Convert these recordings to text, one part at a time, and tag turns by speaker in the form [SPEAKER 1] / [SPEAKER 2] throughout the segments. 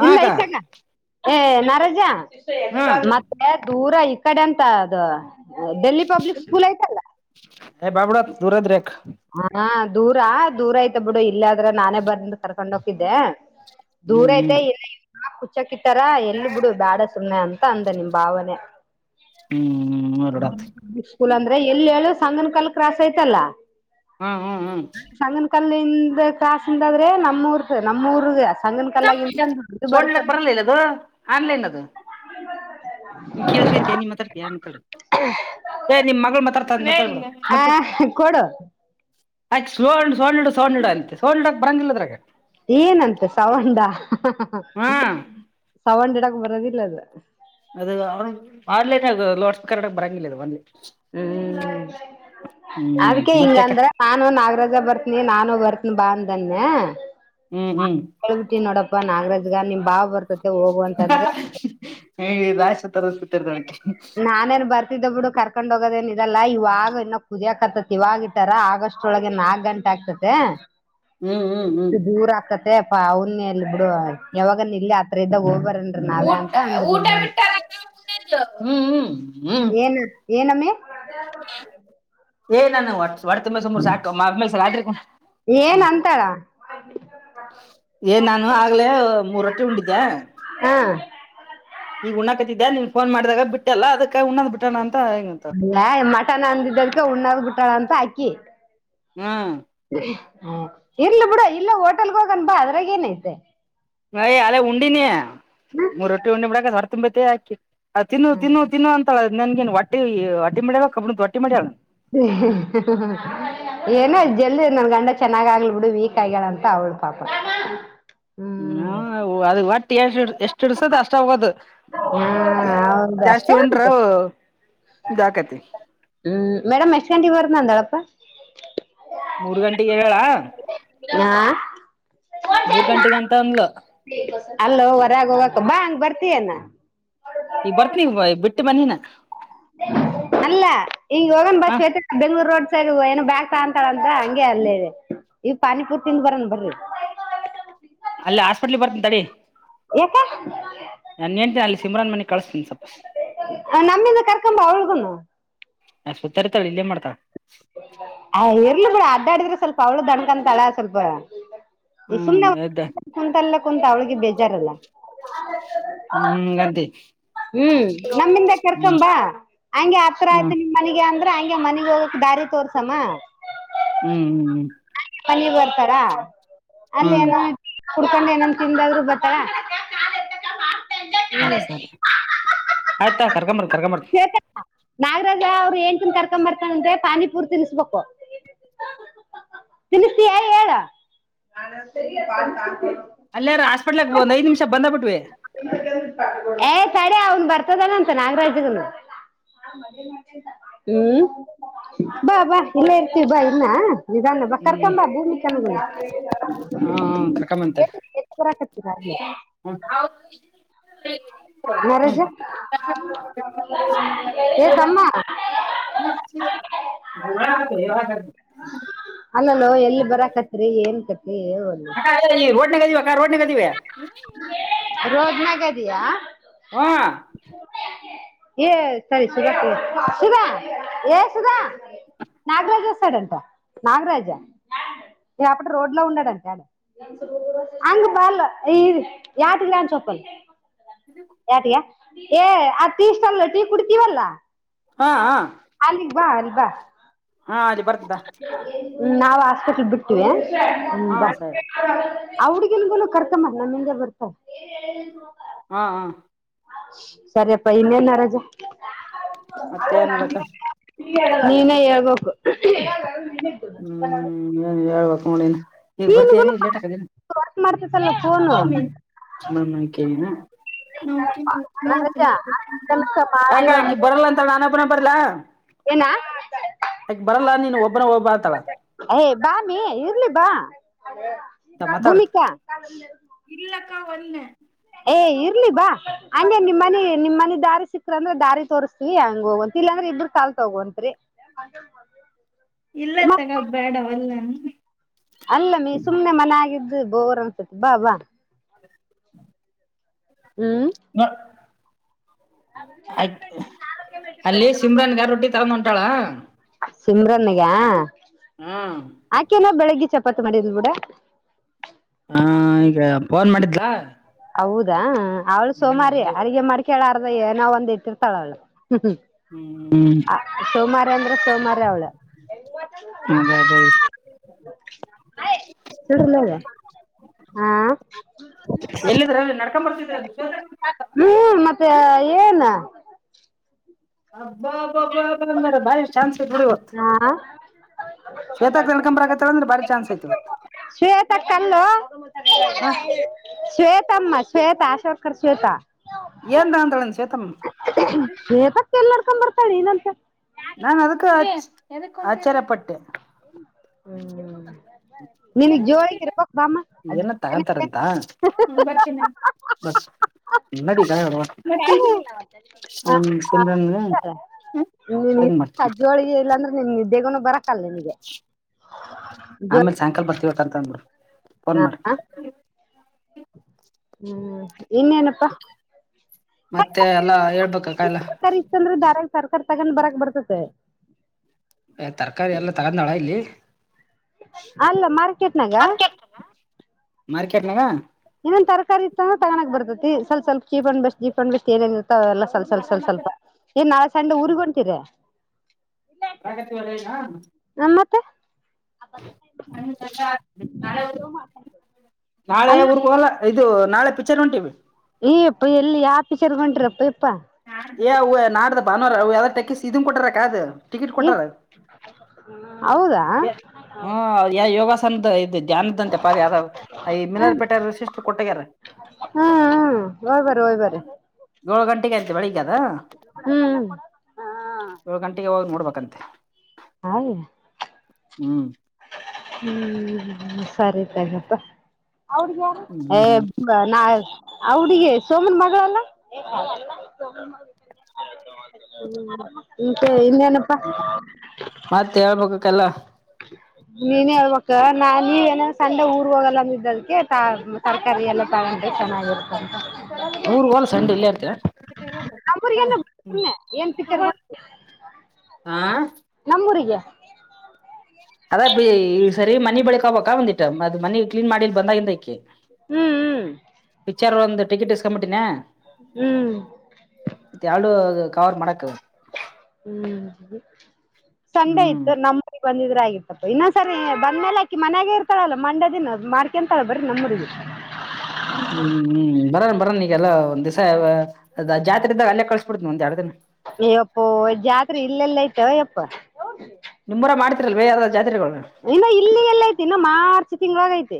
[SPEAKER 1] ಹಾ
[SPEAKER 2] ಇಲ್ಲ
[SPEAKER 1] ಅಕ್ಕ
[SPEAKER 2] ಐತಕ್ಕಾಏಯ್ನರಜ
[SPEAKER 1] ಹಾ
[SPEAKER 2] ಮತ್ತೆ ದೂರ ಐ. [unintelligible] ಕಡೆ ಅಂತ ಅದು ಡೆಲ್ಲಿ ಪಬ್ಲಿಕ್ ಸ್ಕೂಲ್ ಐ್ತಲ್ಲ.
[SPEAKER 1] ಏಯ್ ಬ್ಯಾಡ ಬುಡು ದೂರಿದ್ರ
[SPEAKER 2] ಹಾ ದೂರ ದೂರ ಆಯ್ತ ಬಿಡು ಇಲ್ಲ ಆದ್ರ ನಾನೇ ಬರ್ ಕರ್ಕೊಂಡ ಹೋಗಿದ್ದೆ.
[SPEAKER 1] ಹ್ಮ್
[SPEAKER 2] ದೂರಐತೆ ಇಲ್ಲ ಕುಚ್ಚಕ್ ಇಟ್ಟಾರ ಇರಲಿ ಬಿಡು ಬೇಡ ಸುಮ್ನೆ ಅಂತ ಅಂದ ನಿಮ್ ಭಾವನೆ.
[SPEAKER 1] ಹ್ಮ್ ಹ್ಮ್ ನೋಡತ್
[SPEAKER 2] ಸ್ಕೂಲ್ ಅಂದ್ರೆ ಎಲ್ಲಿ ಹೇಳು ಸಂಗನಕಲ್ ಕಾಲ ಕ್ರಾಸ್ ಆಯ್ತಲ್ಲ.
[SPEAKER 1] ಹ್ಮ್ ಹ್ಮ್ ಹ್ಮ್
[SPEAKER 2] ಸಂಗನ ಕಲ್ಲಿಂದ ದ ಕ್ರಾಸಿಂದಾದ್ರೆ ನಮ್ಮೂರ್ ನಮ್ಮ ಊರ್ಗ. ತಂಗನ್ ಕಲ್ಲಾಗಿ ಇಂದುದು ಬರ್ತ.
[SPEAKER 1] ಸೋಡ್ಲಕ್ ಬರಲ್ಲ ಇಲ್ಲ ಅದು
[SPEAKER 2] [unintelligible]
[SPEAKER 1] ನಿ ಕಳ್ಸಂಗಿಲಪಿ ಅಂತ ನಿನ್ ಮಾತಾಡ್ತಿಯ ಮಾತಡು. ನಿಮ್ ಮಗಳು ಮಾತಾಡ್ತಳ ನೋಡುವೆ [unintelligible]
[SPEAKER 2] ಆ ಕೊಡು. [inaudible] [unintelligible]
[SPEAKER 1] ಆಯ್ ಸೋಂಡ್ ಸೋಂಡು ಸೋಈಡ ಅಂತೆ ಸೋಡಕ್ ಬಂದಂಗಿಲ್ಲದ್ರಾಗ.
[SPEAKER 2] ಏನಂತೆ ಸೌಂಡ
[SPEAKER 1] ಹಾ
[SPEAKER 2] ಸೌಂಡ್ ಹಿಡಕ್ ಬರೋದಿಲ್ಲ ಅದು.
[SPEAKER 1] ಅದು ಅವ್ರ ಆನಲೈನಗ ಲೋಡ್ ಸ್ಪೀಕೆರ್ ಇಡಕ್ ಬರಂಗಿಲ್ಲ ಇದು ಒಂದ್. [unintelligible]
[SPEAKER 2] ಹ್ಮ್ ಅದಕ್ಕೆ ಹಿಂಗ
[SPEAKER 1] ಮತ್ತೆಕ್ಕ
[SPEAKER 2] ಅಂದ್ರ. ನಾನು ನಾಗರಾಜ ಬರ್ತನಿ ನಾನು ಬರ್ತನಿ ಬಾ ಅಂದನ್ನೆ.
[SPEAKER 1] ಹ್ಮ್ ಹ್ಮ್
[SPEAKER 2] ಹೇಳ್ಬಿಟ್ಟಿ ನೋಡಪ್ಪ ನಾಗರಾಜ್ಗ ನಿಮ್ ಬಾವ್ ಬರ್ತ್
[SPEAKER 1] ಏ ದಾಶ ತರಸ್ ಬಿಟ್ಟರ್ತರಕ್ಕಿ.
[SPEAKER 2] ನಾನೇನ್ ಬರ್ತಿದ್ದ ಬಿಡು ಕರ್ಕೊಂಡ್ ಹೋಗೋದೇನ್ ಇದಲ್ಲ ಇವಾಗ ಇನ್ನೊ ಕುದಿಯಾಕತ್ತತಿ ಇವಾಗ. ಆಗಸ್ಟ್ ಒಳಗೆ ನಾಗಂಟೆ ಆಗ್ರೈತೆ
[SPEAKER 1] ಹ್ಮ್ ಹ್ಮ್
[SPEAKER 2] ಇಷ್ಟು ದೂರ ಆಕ್ ತೆ ಅವ್ನ ಎಲ್ಲಿ ಬಿಡು ಯವಾಗನ ಇಲ್ಲಿ ಹತ್ರ ಇದ್ದಾಗ ಹೋಗಬರ
[SPEAKER 1] ಊಟ ಊಟ ಬಿಟ್ಟರ ಹ್ಮ್ ಹ್ಮ.
[SPEAKER 2] ಏನ್ ಏನಮ್ಮಿ.
[SPEAKER 1] ಏ ನಾನ ಹೊಟ್ಸ್ ಹೋಟ್ [unintelligible] ತುಬಿದ್ ತುಂಬುರ ಸಾಕ [unintelligible]
[SPEAKER 2] ಏನ್ ಅಂತಳ.
[SPEAKER 1] ಏ ನಾನು ಆಗ್ಲೇ ಮೂರೊಟ್ಟಿ ಉಂಡಿದ್ಯಾ.
[SPEAKER 2] ಹ್ಮ
[SPEAKER 1] ಈಗ ಉಣ್ಣಕತಿದ್ದ ನಿನ್ ಫೋನ್ ಮಾಡಿದಾಗ ಬಿಟ್ಟೇಲ್ಲ ಅದಕ್ಕ ಉಣ್ಣದ ಬಿಟ್ಟನ ಅಂತ ಹಿಂಗ
[SPEAKER 2] ಇಲ್ಲಾಯಿ ಮಟನ್ ಅಂದಿದ್ದಕ್ಕೆ ಉಣ್ಣದ ಬಿಟ್ಟಳಂತ ಅಕಿ.
[SPEAKER 1] ಹ್ಮ
[SPEAKER 2] ಹ ಇರ್ಲಿ ಬಿಡು ಇಲೇ ಹೋಟೆಲ್ಗ ಹೋಗನ್ ಬಾ ಅದ್ರಾಗ ಏನೈತೆ.
[SPEAKER 1] ನಯ್ ಅಲ್ಲೇ ಉಂಡಿನಿ ಮೂರ್ ರೊಟ್ಟಿ ಉಂಡಿ ಬಿಡಕ ಹೊರ್ ತುಂಬೈತಿ ಅಕಿ. ಅ ತಿನ್ನು ತಿನ್ನು ತಿನ್ನು ಅಂತಳ ನನ್ಗೆನ್ ಹೊಟ್ಟಿ ಹೊಟ್ಟಿ ಮಾಡ್ಯಳ ಕಬ್ಬಣ್ದು ದೋಟ್ಟಿ ಮಾಡ್ಯಳ.
[SPEAKER 2] ಏನ ಜಲ್ದಿ ನನ್ ಗಂಡ ಚೆನ್ನಾಗ್ ಆಗ್ಲ್ ಬಿಡು ವೀಕ್ ಆಗ್ಯಳ ಅಂತ ಅವ್ಳು. ಪಾಪ.
[SPEAKER 1] ಹ್ಮ
[SPEAKER 2] ಹ್ಮ್
[SPEAKER 1] ಅವೂ ಅದ ಹೊಟ್ಟಿ ಎಷ್ಟ ಎಷ್ಟ ಹಿಡ್ಸದ ಅಷ್ಟ ಹೋಗದು.
[SPEAKER 2] ಹಾ ಹೌದು
[SPEAKER 1] ಜಾಸ್ತಿ
[SPEAKER 2] ಅಷ್ಟೇ
[SPEAKER 1] ಉಂಡ್ರ ಇದ ಆಕೈತಿ.
[SPEAKER 2] ಹ್ಮ್ ಮೇಡಮ ಹೆಸ್ಟ್ ಗಂಟೆಗೆ ಬರ್ತೀನಂದಳಪ್ಪ.
[SPEAKER 1] ಮೂರ್ ಗಂಟಿಗ ಹೇಳ್ಯಳ
[SPEAKER 2] ಹಾ
[SPEAKER 1] ಮೂರ್ ಗಂಟಿಗೆ ಅಂತ ಅಂದ್ಲ.
[SPEAKER 2] ಅಲ್ಲ ಹೊರಾಗ ಹೋಗಕ್ ಬಾ ಹಂಗ್ ಬರ್ತಿಯೆನ್.
[SPEAKER 1] ಈಗ ಬರ್ತೀನ ಬಿಟ್ಟ ಮನಿನ.
[SPEAKER 2] ಅಲ್ಲ ಈಗ ಹೋಗನ ಬ
[SPEAKER 1] ಹಾ
[SPEAKER 2] [unintelligible] ಬೆಂಗ್ಳೂರ್ ರೋಡ್ ಸೈಡ್ ಏನು ಬ್ಯಾಗ ತಾಂತಳಂತ ಹಂಗೆ ಅಲ್ಲೇ ಇವ ಪಾನಿಪುರಿ ತಿಂದ ಬರನ್ ಬರ್ರಿ.
[SPEAKER 1] ಅಲ್ಲ ಹಾಸ್ಪೆಟ್ಲ್ಗ ಬರ್ತನಿ ತಡಿ.
[SPEAKER 2] ಏಕೆ.
[SPEAKER 1] ನನ್ ಹೆಂತಿನ್ ಅಲ್ಲಿ ಸಿಮ್ರನ್ ಮನಿಗ ಕಳಸ್ತಿನ ಸ್ವಪ.
[SPEAKER 2] ನಮ್ಮಿಂದ ಕರ್ಕಂಬಾ ಅವ್ಳಗುನು.
[SPEAKER 1] ನ ಸುತ್ತ್ಯಾಡ್ತಾಳ ಇಲ್ಲೇನ್ ಮಾಡ್ತಾಳ.
[SPEAKER 2] ಆ ಇರ್ಲ ಬಿಡು ಅಡ್ಯಾಡಿದ್ರ ಸ್ವಲ್ಪ ಅವ್ಳ ದನ್ಕಂತಾಳ ಸ್ವಲ್ಪ. ಈ
[SPEAKER 1] ಹ್ಮ್
[SPEAKER 2] ಸುಮ್ನೆ
[SPEAKER 1] ಎದ್ದ
[SPEAKER 2] ಕುಂತಲ್ಲೆ ಕುಂತ ಅವಳ್ಗೆ ಬೇಜಾರಲ್ಲ.
[SPEAKER 1] ಹ್ಮ್ ಗಂತಿ.
[SPEAKER 2] ಹ್ಮ್ ನಮ್ಮಿಂದ ಕರ್ಕಂಬಾ ಹಂಗೆ ಹತ್ರ
[SPEAKER 1] ಹ್ಮ್
[SPEAKER 2] ಆಯ್ತನಿ ಮನಿಗೆ ಅಂದ್ರ ಹಂಗೆ ಮನಿಗ ಹೋಗಕ್ ದಾರಿ ತೋರ್ಸಮ್ಮ.
[SPEAKER 1] ಹ್ಮ್ ಹ್ಮ್ ಹ್ಮ್
[SPEAKER 2] ಅಲ್ಲೀಗ್ ಬರ್ತಾರಾ
[SPEAKER 1] ಹ್ಮ್
[SPEAKER 2] ಅಲ್ಲೇನೋ. ಕುಡ್ಕೊಂಡ ಏನಂದ್ ತಿಂದಾದ್ರು ಬರ್ತಳ.
[SPEAKER 1] ಅದ ಸರಿ ಆಯ್ತತೋ ಕರ್ಗಂಬರ್ ಕರ್ಗಂಬರ
[SPEAKER 2] ನಾಗರಾಜ ಅವ್ರ ಹೆಂತಿನ್ ಕರ್ಕೊಂಬರ್ತಾನಂತೆ ಪಾನಿಪೂರಿ ತಿನಸ್ಬೇಕು. ತಿನ್ನುಸ್ತಿಯಾ ಏಳು [unintelligible] ಬಾ ಇಲೇ ಸಾಕು ಅನ್ನು
[SPEAKER 1] ಅಲ್ಲೆಇರುಹಾಸ್ಪಿಟ್ಲ್ದಾಗ ಒಂದ ಐದು ನಿಮಿಷ ಬಂದ ಬಿಟ್ವಿ.
[SPEAKER 2] [unintelligible] ಏ ತಡಿ ಅವನ್ ಬರ್ತದಾನಂತ ನಾಗರಜಗನು. ಹ್ಮ್, ಬಾ ಬಾ ಇಲ್ಲೇ ಇರ್ತೀವಿ ಬಾ ಇನ್ನಾ ಇದಧಾನ ಬ
[SPEAKER 1] ಹ್ಮ್
[SPEAKER 2] ಕರ್ಕಂಬ ಭೂಮಿ ಕೆನ
[SPEAKER 1] ಹ್ಮ್
[SPEAKER 2] [unintelligible] ರ ಕತೀರೆ [unintelligible]
[SPEAKER 1] ಹ [unintelligible]
[SPEAKER 2] ದೇವರಾಜ ಏಯ್ ತಮ್ಮ
[SPEAKER 1] ಯಾಗ [unintelligible]
[SPEAKER 2] ಅಲ್ಲಲ್ಲೋ ಎಲ್ಲಿ ಬರಕತ್ರಿ ಏನ್ ಕತಿ ಹೇಳ್.
[SPEAKER 1] ರೋಡ್ ನಗದಿವವಿ ಅಕ್ಕ ರೋಡ್ ನಗದೀವಿ.
[SPEAKER 2] [unintelligible] ರೋಡ್ನಗದಿಯಾ
[SPEAKER 1] ಹ [unintelligible]
[SPEAKER 2] ಏ ಸರಿ ಸುಧಾ, ಸುಧಾ, ಏ ಸುಧಾ ನಾಗರಾಜ [unintelligible] ಸೈಡಟ ನಾಗರಾಜ ಈ ಅಪಟ್ಟ ರೋಡ್ ಲ ಉೊಂಡಡಂತೆ ಆಡ [unintelligible] [inaudible] ಹಂಗ ಬರ್ ಈ ಯಾಟಿಲ್ಲ ಅನ್ಸೊಪ್ಪಲ್ ಯಾಟಗ [unintelligible] ಏಯ್ ಆಟೀ ಸ್ಟಾಲ್ ಕುಡ್ತಿವಲ್ಲಾ
[SPEAKER 1] ಹಾ ಹಾ [inaudible]
[SPEAKER 2] ಅಲ್ಲಿಗಿ ಬಾ ಅಲ್ಲಿ ಬಾ
[SPEAKER 1] ಹಾ ಅಲ್ಲಿಗಬತ್
[SPEAKER 2] ಹ್ಮ, ನಾವ ಹಾಸ್ಪೆಟ್ಲ್ ಬಿಟ್ಟಿವ್ಯಾ ಹ್ಮ್,
[SPEAKER 1] ಹಾ
[SPEAKER 2] ಬಾ
[SPEAKER 1] ಸರಿ
[SPEAKER 2] ಆ ಹುಡ್ಗಿನ್ಗು ಕರ್ಕಂಬಾ ನಮ್ಮಿಂದೆ ಬರ್ತಾಳ.
[SPEAKER 1] ಹಾ, ಹ
[SPEAKER 2] ಸರಿಪ್ಪಾ ಇನ್ನೇ ನಾರಾಜ?
[SPEAKER 1] ಮತ್ತೆ ಎನಿಲ್ಲಕ್ಕ.
[SPEAKER 2] ನೀನೇ ಹೇಳ್ಬೇಕು.
[SPEAKER 1] ಹ್ಮ್, ಏನ್ ಹೇಳ್ಬೇಕು ನಳನು ಈಗ್ ಬರ್ತೀನಿ
[SPEAKER 2] ನೀನ್ಗುನು
[SPEAKER 1] ಲೇಟ್ ಹಾಕತೇನ.
[SPEAKER 2] ವರ್ಕ್ ಮಾಡ್ತತಲ್ಲ [unintelligible]
[SPEAKER 1] ಸ್ವಾಮಿ ನಮಕನಾ [inaudible] [unintelligible] [unintelligible]
[SPEAKER 2] ರಜಾ ತನಕ
[SPEAKER 1] ಯ
[SPEAKER 2] ಮಾಡಿವ
[SPEAKER 1] ಆಕಿ ಬರಲ್ಲ ಅಂತ ನಾನಪನ ಬರ್ಲ್ಲಾ
[SPEAKER 2] ಏನಾ
[SPEAKER 1] ಅಕಿ ಬರಲ್ಲ ನೀನು ಒಬ್ಬನೇಹೋಗಿಬಾ ಅಂತಾಳ.
[SPEAKER 2] ಏಯ್ ಬಾಮಿ ಇರ್ಲಿ ಬಾ
[SPEAKER 1] ಂತ ಮಾತ ಅವ್ರ
[SPEAKER 2] ಭೂಮಿಕಾ
[SPEAKER 1] ಇಲ್ಲಕ್ಕ ಒಂದೆ [unintelligible]
[SPEAKER 2] ಏಯ್ಇರ್ಲಿ ಬಾ ಹಂಗೆ ನಿಮ್ಮ್ ಮನ ನಿಮ್ಮ್ ಮನಿ ದಾರಿ ಸಿಕ್ತ್ ಅಂದ್ರೆ ದಾರಿ ತೋರಿಸ್ತ ಈ ಹಂಗ ಹೋಗಂತ ಇಲ್ಲಾಂದ್ರೆ ಇಬರು ಕಾಲ್ತ್ ತೋಗೋಂತ್ರಿ.
[SPEAKER 1] ಇಲ್ಲ ತಗ ಬೇಡ ಅಲ್ಲ [unintelligible]
[SPEAKER 2] ಅಲ್ಲ ಮೀ ಸುಮ್ನೆ ಮನಾಗಿದ್ದು ಬೋರ್ ಅನ್ಸುತ್ತ ಬಾ, ಬಾ. ಹ್ಮ್,
[SPEAKER 1] ನ ಅಲ್ಲ [unintelligible] ಸಿಮರಾನ್ಗಾರೊಟ್ಟಿ ತಗಂದೊಂಟಾಳ.
[SPEAKER 2] ಸಿಮ್ರನ್ಗ
[SPEAKER 1] ಹ್ಮ್
[SPEAKER 2] ಆಕಿ ನ ಬೆಳಗ್ ಚಪಾತ್ ಮಾಡಿದ್ಲ ಬಿಡಾ
[SPEAKER 1] ಹಾ ಈಗ್ ಫೋನ್ ಮಾಡಿದ್ಲಾ
[SPEAKER 2] ಹೌದಾ ಅವ್ಳು
[SPEAKER 1] ಹ್ಮ್
[SPEAKER 2] ಸೋಮಾರಿ
[SPEAKER 1] ಅಲ್ಲಿ
[SPEAKER 2] ಅಡಗೆ ಮಾಡ್ಕೇಳಾರ್ದ ಏನೋ ಒಂದ್ ಇಟ್ಟಿರ್ತಾಳ ಅವ್ಳು.
[SPEAKER 1] ಹ್ಮ್
[SPEAKER 2] ಸೋಮಾರ ಅಂದ್ರೆ ಸೋಮವಾರ ಅವಳು
[SPEAKER 1] ಅದ ಅದ [unintelligible]
[SPEAKER 2] ಚಲ್ಲ [unintelligible] [unintelligible] ಹಾ
[SPEAKER 1] ಎಲ್ಲಿದ್ರ [unintelligible] ನಡ್ಕೊಂಡ್ ಬರ್ತಿದ್ರ ಅಂತ ಕೇಳು
[SPEAKER 2] ಹ್ಮ್ ಮತ್ತೆ ಏನ್
[SPEAKER 1] ಹಬ್ಬ ಹಬ್ಬಬ್ಬಬ್ ಅಂದ ಭಾಯ ಚಾನ್ಸ್ ಬುಡು
[SPEAKER 2] ಹಾ
[SPEAKER 1] ಶ್ವೇತ ಅಕ್ಕಾ ನಾ ಇಟ್ಕದ್ರೆ ಆಗತ್ತಳು ಅಂದ್ರೆ ಬಾರಿ ಚಾನ್ಸ್ ಐತೆಳು
[SPEAKER 2] ಶ್ವೇತಕ್ಕ ಅಲ್ಲ
[SPEAKER 1] ಹಾ
[SPEAKER 2] ಶ್ವೇತ ಅಮ್ಮ ಶ್ವೇತಾ ಅಶೋಕರ್ ಶ್ವೇತಾ
[SPEAKER 1] ಏನ್ ತಂತಾಳಂತ ಸೇತಮ್ಮ
[SPEAKER 2] ಶ್ವೇತಕ್ಕ ಎಲ್ಲಡ್ಕೊ ಬರ್ತಾಳಿ ಇನಂತೆ
[SPEAKER 1] ನಾನ ಅದಕ್ಕೆ [unintelligible] [unintelligible] ಆಚರಪಟ್ಟೆ
[SPEAKER 2] ಹ್ಮ್ [unintelligible] ಅದ್
[SPEAKER 1] ಏನ
[SPEAKER 2] ಜೋಳಿಗೆನೆ
[SPEAKER 1] ತಗೊಂತಾರಂತ [unintelligible] [unintelligible]
[SPEAKER 2] [unintelligible]
[SPEAKER 1] ಸಿಮ್ರನ್
[SPEAKER 2] ನೀನ್
[SPEAKER 1] ಹೆಂಗ್ ಮಾಡ್ತೀನಿ
[SPEAKER 2] ಸಜ್ಜೋಳಿಗೆ ಇಲ್ಲಾಂದ್ರೆ ನಿನ್ ನಿದ್ದೆಗ ಬರಕ್
[SPEAKER 1] ಆಮೇಲೆ
[SPEAKER 2] ಜೋಳಿಗೆ
[SPEAKER 1] ಸಾಯಂಕಾಲ ಬರ್ತೀವಟ ಅಂತ ಅಂದಬುಡು ಫೋನ್
[SPEAKER 2] ಹಾ,
[SPEAKER 1] ಮಾಡ್
[SPEAKER 2] ಹಾ. ಹ್ಮ್ ಇನ್ನೇನ ಪ್ಪ
[SPEAKER 1] ಮತ್ತೆ ಎಲ್ಲ ಹೇಳ್ಬೇಕ ಕಾಲ್ಲ
[SPEAKER 2] ಸರ್ಕಾರ ಇಷ್ಟ ಅಂದ್ರೆ ದಾರ ಸರ್ಕಾರ ತಗೊಂಡ್ ಬರಕ್ ಬರ್ತತೆ
[SPEAKER 1] ತರಕಾರಿ ಎಲ್ಲ ತಗೊಂಡ್ಳ ಇಲ್ಲಿ
[SPEAKER 2] ಅಲ್ಲ ಮಾರ್ಕೆಟ್ನಾಗ
[SPEAKER 1] ಮಾರ್ಕೆಟ್ನಾಗಾ
[SPEAKER 2] ಇನ್ನೊಂದ ತರಕಾರಿ ಇತ್ತಂದ್ರೆ ತಗಕ್ ಬರ್ತೈತಿ ಸ್ವಲ್ಪ ಸ್ವಲ್ಪ ಜೀಪ ಬ್ ಬಸ್ ಜೀಪ್ ಬಸ್ ಏನ ಇರ್ತವೆಲ್ಲ ಸ್ವಲ್ಪ ಸ್ವಲ್ಪ ಸ್ವಲ್ಪ ಸ್ವಲ್ಪ ಏನ್ ನಾಳೆ ಸಂಡೆ ಊರಿಗೋಗ್ತೀರಿ
[SPEAKER 1] ಪ್ರಗತಿವಲ್ಲ ಈಗಾ
[SPEAKER 2] ನಮ್ಮ ಮತ್ತೆ [unintelligible]
[SPEAKER 1] ನಾಳೆ ನಾಳೆ
[SPEAKER 2] ಅಲ್ಲ
[SPEAKER 1] ಊರಿಗ್ ಹೋಗಲ್ಲ ಇದು ನಾಳೆ ಪಿಕ್ಚರ್ ಹೊಂಟಿವವಿ
[SPEAKER 2] ಯ್ಯಪ್ಪ ಎಲ್ಲಿ ಪಿಕ್ಚರ್ ಗ್ ಒಂಟ್ರಿ [unintelligible]
[SPEAKER 1] ನಾಡ್ದ ಭಾನುವಾರ ಯಾವ ಟೆಕಸ್ ಇದನ್ ಕೊಟಾರ ಅಕ್ಕಾ ಇದು ಟಿಕೆಟ್
[SPEAKER 2] ಏ
[SPEAKER 1] ಕೊಟಾರ
[SPEAKER 2] ಹೌದಾ
[SPEAKER 1] ಹ್ಮ ಯ ಯೋಗಾಸನದ ಇದ ಧ್ಯಾನದ್ದಂತೆ ಪ ಯಾರ ಈ ಮಿಲಲ್ ಪೇೆಟ್ ಯಾರ ಸಿಷ್ಟು ಕೊಟ್ಟಗ್ಯಾರ
[SPEAKER 2] ಹ್ಮ ಹ್ಮ್ ಹೋಗವ್ರೆ ಹೋಗವ್ರೆ
[SPEAKER 1] ಏಳು ಗಂಟೆಗ ಐತೆದ [unintelligible]
[SPEAKER 2] ಹ್ಮ್
[SPEAKER 1] ಏಳು ಗಂಟೆಗೆ ಹೋಗಾಗ ನೋಡ್ಬೇಕಂತೆ
[SPEAKER 2] ಹಾಗ
[SPEAKER 1] ಹ್ಞೂ
[SPEAKER 2] ಹ್ಮ್ ಸರಿ ಸರಿ ತಗಪ್ಪ ಏ
[SPEAKER 1] ಹ್ಮ್
[SPEAKER 2] ನಾ [unintelligible] ಅವ್ರಿಗೆ ಸೋಮನ್ ಮಗಲ್ಲಲ್ಲ [unintelligible] ಹ್ಮ ಮತ್ತೆ ಇನ್ನೇನಪ್ಪ
[SPEAKER 1] ಮತ್ತೆ ಹೇಳ್ಬೇಕು ಕಲ್ಲ
[SPEAKER 2] ನೀನೇ ಹಳ್ಬಕ್ ನಾ ನೀವ ಏನ ಸಂಡೆ ಊರ್ ಹೋಗಲ್ಲಂದಿದ್ದ ಅದಕ್ಕೆ ತ [unintelligible] ಕರಿ ಎಲ್ಲ ತಗೊಂಡೆ ಚೆನ್ನಾಗಿರುತ್ತ ಅಂತ
[SPEAKER 1] ಮೂರು ಹೋಲ್ ಸಂಡೆ ಇಲ್ಲ ರಿ
[SPEAKER 2] ನಮ್ಮೂರಿಗೇನ
[SPEAKER 1] [unintelligible]
[SPEAKER 2] ಸುಮ್ನೆ ಏನ್ ಪಿಕ್ಚರ್
[SPEAKER 1] [unintelligible] ಹಾ
[SPEAKER 2] ನಮ್ಮೂರಿಗೆ
[SPEAKER 1] ಅದ ಪಿ ಈ ಸರಿ ಮನಿ ಬಳಿಕ ಹೋಗ್ಬೇಕಾ ಒಂದಿಟ್ಟ ಅದ್ ಮನಿ ಕ್ಲೀನ್ ಮಾಡಿಲ್ ಬಂದಾಗಿಂದ ಇಕಿ
[SPEAKER 2] ಹ್ಮ್ ಹ್ಮ್
[SPEAKER 1] ಚಾರ್ ಒಂದು ಟಿಕೆಟ್ಸ್ ಇಸ್ಕಾಬಿಟ್ಟಿನಾ
[SPEAKER 2] ಹ್ಮ್
[SPEAKER 1] ಮತ್ತ ಯಾಳು ಕವರ್ ಮಾಡಕ್
[SPEAKER 2] ಹ್ಮ್ ಸಂಡೆ
[SPEAKER 1] ಹ್ಮ್
[SPEAKER 2] ಇತ್ತು ನಮ್ಮ ಬಂದಿದ್ರೆ ಆಗಿರ್ತಪ್ಪ ಇನ್ನೊಂದು ಸರಿ ಬಂದ ಮೇಲೆ ಆಕಿ ಮನ್ಯಾಗ ಇರ್ತಾಳಲ್ಲ ಮಂಡ್ಯದಿನ ಮಾಡಿಕ್ಯತಾಳ ಬರೀ ನಮ್ಮೂರಿಗೆ.
[SPEAKER 1] ಹ್ಮ್ ಹ್ಮ್ ಬರನ್ ಬರನ್ ಈಗಲ್ಲ ಒಂದ್ ದಿವಸ ಜಾತ್ರೆ ಇದ್ದಾಗ ಅಲ್ಲೇ ಕಲಿಸೋ ಕೊಡ್ತೀನಿ ಒಂದ ಎರಡು ದಿನ.
[SPEAKER 2] ಅಯ್ಯಪ್ಪೋ ಜಾತ್ರೆ ಇಲ್ಲೆಲ್ಲ ಐತೊ ಅಯ್ಯಪ್ಪ
[SPEAKER 1] ನಿಮ್ಮ್ಊರಗ್ ಮಾಡ್ತಿರಲ್ವೇ ಯವುದಾದ್ ಜಾತ್ರೆಗಳು
[SPEAKER 2] ಇನ್ನು ಇಲ್ಲಿಗೆಲ್ಲ ಐತಿ ಇನ್ನು ಮಾರ್ಚ್ ತಿಂಗಳಾಗ ಐತೆ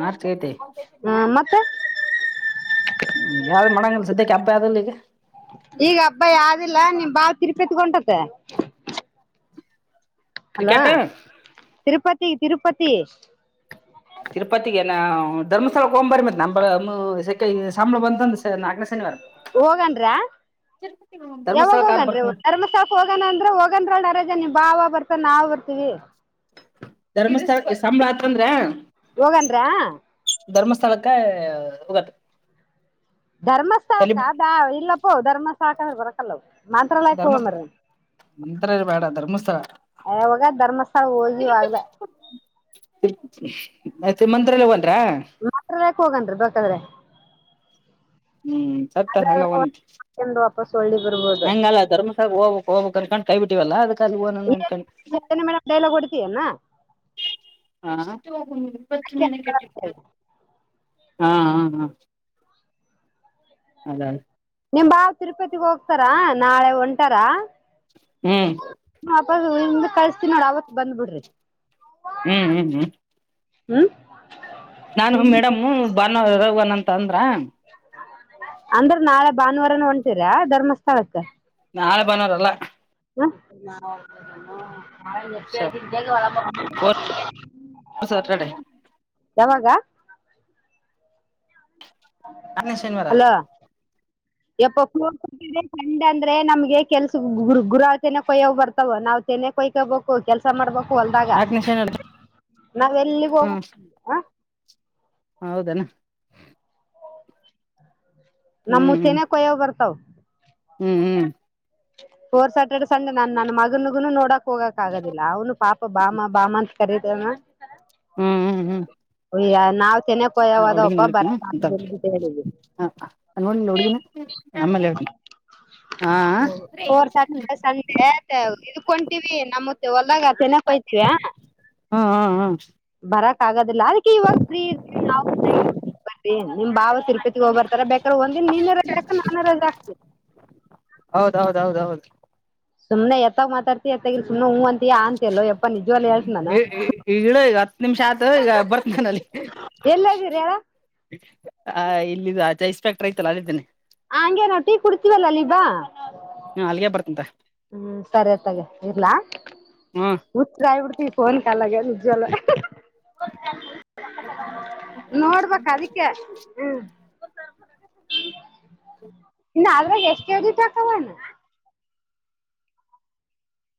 [SPEAKER 1] ಮಾರ್ಚ್ ಐತಿ
[SPEAKER 2] [unintelligible] ಹಾ ಮತ್ತೆ
[SPEAKER 1] ಹ್ಮ್ ಯಾವ್ದ ಮಾಡಂಗಿಲ್ಲ ಸದ್ಯಕೆ ಹಬ್ಬ ಯಾವುದು ಇಲ್ಲ ಈಗ
[SPEAKER 2] ಈಗ ಹಬ್ಬ ಯಾವ್ದಿಲ್ಲಾ ನಿಮ್ ಬಾವ ತಿರುಪತಿಗ್ ಹೊಂಟದಾ ಹಲೋ
[SPEAKER 1] ಕ್ರಿಕೆಟ್
[SPEAKER 2] ತಿರುಪತಿ ತಿರುಪತಿ
[SPEAKER 1] ತಿರುಪತಿ ಏನ ಧರ್ಮಸ್ಥಳಕ್ ಹೋಗೋಣ ಬರ್ರಿ ಮತ್ ನಳ [unintelligible] ಸಂಬಳ ಬಂತಂದ ನಕ್ಕ್ನೆ ಶನಿವಾರ [unintelligible]
[SPEAKER 2] ಹೋಗನ್ರ
[SPEAKER 1] [unintelligible]
[SPEAKER 2] ಯಾವಾಗ
[SPEAKER 1] ಧರ್ಮಸ್ಥಳ ಕಾರ್
[SPEAKER 2] ಹೋಗನ್ರಿ
[SPEAKER 1] ಬರ್ತ
[SPEAKER 2] ಧರ್ಮಸ್ಥಳಕ್ ಹೋಗಣ ಅಂದ್ರ ಹೋಗಂದ್ರನ [unintelligible] [unintelligible] ನಿಮ್ ಬಾವ ಬರ್ತರಾ ನಾವ್ ಬರ್ತೀವಿ
[SPEAKER 1] ಧರ್ಮಸ್ಥಳಕ್ಕೆ ಸಂಬಳ ಆತ್ ಅಂದ್ರೆ
[SPEAKER 2] ಯೋಗನ್ರಾ
[SPEAKER 1] ಧರ್ಮಸ್ಥಳಕ್ಕ ಹೋಗನಾ
[SPEAKER 2] ಧರ್ಮಸ್ಥಳಕ್ಕ ಇಲ್ಲಪ್ಪೋ ಧರ್ಮಸ್ಥಳಕ್ಕ ಆದ್ರೆ ಬರೋಕಲ್ಲ ಮಂತ್ರಾಲಯಕ್ಕೆ ಹೋಗಣ ಬಣ್ರಿ
[SPEAKER 1] ಮಂತ್ರಾಲಯ ಬೇಡ ಧರ್ಮಸ್ಥಳ.
[SPEAKER 2] ಹೇ ಹೋಗ ಧರ್ಮಸ್ಥಳಕ್ಕ ಹೋಗಿವ ಆಗ್ಲೇ
[SPEAKER 1] ಅಯ್ತ್ರಿ ಮಂತ್ರಾಲಯ ಹೋಗಂದ್ರ
[SPEAKER 2] ಮಂತ್ರಾಲಯ ಕ್ಕ್ ಹೋಗೋಣ ಬೇಕಾದ್ರೆ.
[SPEAKER 1] ಹ್ಮ್ ಸತ್ತ ತಗ ಅಂಗೇ ಹೋಗೋನಂತೆ
[SPEAKER 2] ಇಂದ ವಾಪಾಸ್ ಒಳ್ಳಿ ಬರ್ಬದು
[SPEAKER 1] ಹಂಗಲ್ಲ ಧರ್ಮಸ್ಥಳ ಹೋಗ್ಬೇಕು ಹೋಗ್ಬೇಕು ಅನ್ಕೊಂಡು ಕೈ ಬಿಟ್ಟಿವಲ್ಲ ಅದಕ್ಕ ಅಲ್ಲಿ [unintelligible] ಅನ್ಕೊಂಡು
[SPEAKER 2] ಮೇಡಮ್ ಡೈಲಾಗ್ ಹೊಡಿತೀಯನ
[SPEAKER 1] ಹ ಹೋಗ [unintelligible] ಬತ್ತುನನ ಕಟ್ಟ ಹಾ ಹಾ ಹಾ ಅದ
[SPEAKER 2] ನಿಮ್ ಭಾವ ತಿರುಪತಿಗ್ ಹೋಗ್ತಾರಾ ನಾಳೆ ಹೊಂಟಾರ
[SPEAKER 1] ಹ್ಮ
[SPEAKER 2] ನಿಮ [unintelligible] ಕಳಸ್ತ ನೋಡ ಅವತ್ ಬಂದ್ಬ ಬಿಡ್ರಿ
[SPEAKER 1] ಹ್ಮ್ ಹ್ಮ್ ಹ್ಮ್
[SPEAKER 2] ಹ್ಮ್
[SPEAKER 1] ನಾನು ಮೇಡಮ್ಮು ಭಾನುವಾರ ಹೊರ ಹೋಗಣ ಅಂತಂದ್ರ
[SPEAKER 2] ಅಂದುರ್ ನಾಳೆ ಭಾನುವಾರನು ಹೊಂಟೀರ ಧರ್ಮಸ್ಥಳಕ್ಕೆ?
[SPEAKER 1] ನಾಳೆ ಭಾನುವಾರ ಅಲ್ಲಾ
[SPEAKER 2] [unintelligible]
[SPEAKER 1] ಫೋರ್ಥ್ ಸಾಟರ್ಡೆ
[SPEAKER 2] ಯಾವಾಗ?
[SPEAKER 1] ನಾಲ್ಕನೇ ಶನಿವಾರ
[SPEAKER 2] ಹಲೋ [unintelligible] [unintelligible] ಅಂದ್ರೆ ನಮ್ಗೆ ಕೆಲಸುಕ್ ಗುರು ಗುರು ತನೆ ಕೊಯ್ಯವ್ ಬರ್ತವ ನಾವ್ ತೆನೆ ಕುಯ್ಕಬೇಕ್. ಕು ಕೆಲ್ಸ ಮಾಡ್ಬೇಕು ಹೊಲ್ದಾಗ.
[SPEAKER 1] ನಾಲ್ಕನೇ ಶನಿವಾರ
[SPEAKER 2] ನಾವ್ ಎಲ್ಲಿಗ್ ಹೋಗವು
[SPEAKER 1] ಹೌದೆನ?
[SPEAKER 2] ನಮ್ಮು
[SPEAKER 1] ಹ್ಮ್
[SPEAKER 2] ತೆನೆ ಕೊಯ್ಯವ್ ಬರ್ತಾವ್.
[SPEAKER 1] ಹ್ಮ್ ಹ್ಮ್
[SPEAKER 2] ಫೋರ್ಥ್ ಸ್ಯಾಟರ್ಡೆ ಸಂಡೆ ನಾನ್ ನನ್ ಮಗನುಗುನು ನೋಡಕ್ ಹೋಗಕ್ ಆಗದಿಲ್ಲ ಅವನು ಪಾಪ ಬಾಮ ಬಾಮ ಅಂತ ಕರೀತ ಇದಾನ.
[SPEAKER 1] ಹ್ಮ್ ಹ್ಮ್ ಹ್ಮ್
[SPEAKER 2] ಅಯ್ಯ ನಾವ್ ತೆನೆ ಅಪ್ಪ
[SPEAKER 1] ಹುಡುಗಿ
[SPEAKER 2] ಯಾವದಪ್ಪ
[SPEAKER 1] ನೋಡ್ಕ ನೋಡಿಲ್ಲ ಹುಡುಗಿನ ಆಮೇಲೆ ಹೇಳ್ತೀನಿ
[SPEAKER 2] [unintelligible]
[SPEAKER 1] ಹಾ
[SPEAKER 2] ಫೋರ್ಥ್ ಸ್ಯಾಟರ್ಡೆ ಸಂಡೆ ತೆ ಇದುಕೊಂಟೀವಿ ನಮ್ಮುದ್ ಹೊಲ್ದಾಗ ತೆನ ಕೊಯ್ [unintelligible]
[SPEAKER 1] ಹಾಂ ಹಾಂ ಹಾಂ
[SPEAKER 2] ಬರಕ್ ಆಗದಿಲ್ಲ ಅದುಕೆ ಇವಾಗ್ ಫ್ರೀ [unintelligible] ಮತ್ತ ನಿಮ್ ಭಾವ ತಿರುಪತಿಗ್ ಹೋಗ್ಬರ್ತಾರ ಬೇಕಾದ್ರೆ ಒಂದಿನ ನೀನು ರೆಜಾ ಹಾಕು ನಾನು ರೆಜಾ ಹಾಕ್ತಿ
[SPEAKER 1] ಹೌದೌದೌದೌದ್
[SPEAKER 2] ಸುಮ್ನೆ ಎತ್ತಾಗ್ ಮಾತಾಡ್ತಿಯ ಅತಗಿರು ಸುಮ್ನೆ ಊಂ ಅಂತ್ ತಿಯಾ ಅಂತ್ಯಲ್ಲೋ ಯಪ್ಪಾ ನಿಜವಾಲು ಹೇಳ್ತಿ ನಾನು
[SPEAKER 1] ಇಳು ಈಗ ಹತ್ತು ನಿಮಿಷ ಆತು ಈಗ ಬರ್ತನಾನ
[SPEAKER 2] ಎಲ್ಲದೀರ್ ಹೇಳು.
[SPEAKER 1] ಆ ಇಲ್ಲಿದು ಆಚೆ ಐಸ್ ಫ್ಯಾಕ್ಟರಿ ಐತ್ತಲ್ಲ ಅಲ್ಲಿದೀನಿ.
[SPEAKER 2] ಅಂಗೆ ನಾವ್ ಟೀ ಕುಡಿತಿವಲ್ಲ ಅಲ್ಲೀಗ್ ಬಾ.
[SPEAKER 1] ಹ್ಮ ಅಲ್ಲಿಗೆ ಬರ್ತಂತ
[SPEAKER 2] ಹ್ಮ್ ಸರೆ ಅತ್ತಾಗೆ ಇರ್ಲ
[SPEAKER 1] ಹ್ಮ
[SPEAKER 2] ಹುಚ್ರಾಗ್ ಬಿಡ್ತೀವಿ ಫೋನ್ ಕಾಲಾಗೆ ನಿಜ್ವಾಲು
[SPEAKER 1] [unintelligible]
[SPEAKER 2] ನೋಡ್ಬೇಕ್ ಅದಿಕ್ಕೆ ಇನ್ನು ಅದ್ರಾಗೆ ಎಷ್ಟ್ ಕೆಜಿ ತಾಕೊ ಬಂದ್ನು